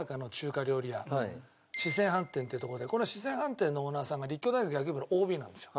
四川飯店っていう所でこの四川飯店のオーナーさんが立教大学野球部のＯＢなんですよ。